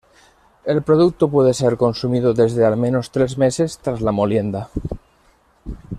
El producto puede ser consumido desde al menos tres meses tras la molienda.